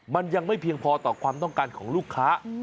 มันยังไม่เพียงพอต่อความต้องการของลูกค้า